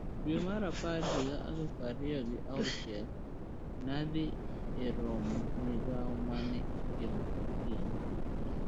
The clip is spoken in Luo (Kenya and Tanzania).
Dwe mar apar higa aluf ariyo gi auchiel, nadhi eromo Migawo mane itimo okinyi.